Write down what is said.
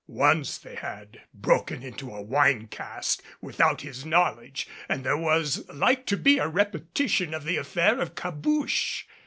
Once they had broken into a wine cask without his knowledge, and there was like to be a repetition of the affair of Cabouche.